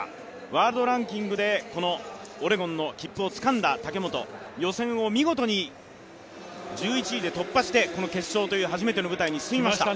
ワールドランキングでこのオレゴンの切符をつかんだ武本、予選を見事に１１位で突破してこの決勝という初めての舞台に進みました。